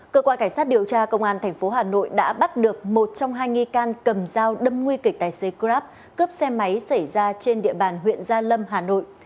cơ quan cảnh sát điều tra công an tp hà nội đã bắt được một trong hai nghi can cầm dao đâm nguy kịch tài xế grab cướp xe máy xảy ra trên địa bàn huyện gia lâm hà nội